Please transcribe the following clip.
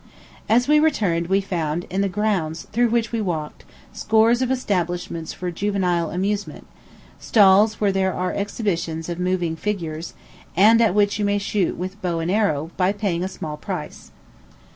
As we returned, we found, in the grounds through which we walked, scores of establishments for juvenile amusement stalls where there are exhibitions of moving figures, and at which you may shoot with bow and arrow by paying a small price.